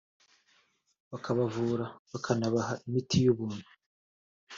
bakabavura bakanabaha imiti y’ubuntu